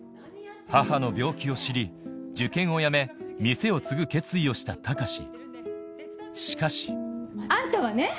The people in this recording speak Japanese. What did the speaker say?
母の病気を知り受験をやめ店を継ぐ決意をした高志しかしあんたはね